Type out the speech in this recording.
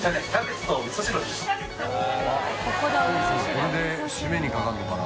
これでシメにかかるのかな？